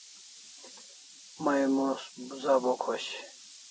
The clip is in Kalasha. May mos za bo khosh